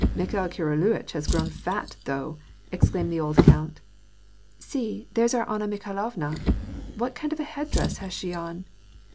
* Mikhail Kiriluitch has grown fat, though," ex claimed the old count. "See, there's our Anna Mikhailovna. What kind of a head dress has she on